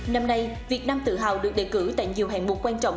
năm nay việt nam tự hào được đề cử tại nhiều hạng mục quan trọng